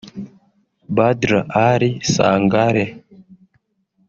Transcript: Badla Ali Sangale